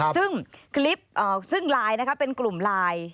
ซึ่งคลิปซึ่งไลน์เป็นกลุ่มไลน์